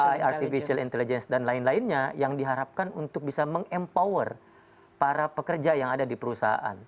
ada artificial intelligence dan lain lainnya yang diharapkan untuk bisa meng empower para pekerja yang ada di perusahaan